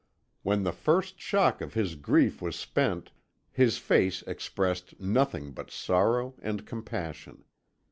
When the first shock of his grief was spent, his face expressed nothing but sorrow and compassion.